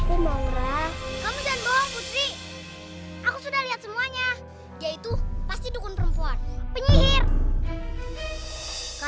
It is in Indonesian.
selamat tinggal pak